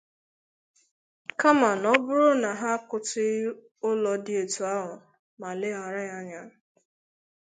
kama na ọ bụrụ na ha akụtughị ụlọ dị etu ahụ ma leghàra ya anya